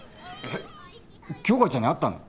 えっ杏花ちゃんに会ったの？